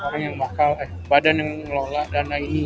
orang yang bakal eh badan yang ngelola dana ini